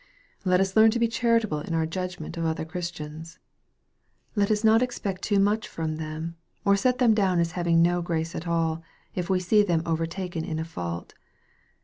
Let us learn to be charitable in our judgment of other Christians. Let us not expect too much from them, or set them down as having no grace at all, if we see them overtaken in a fault.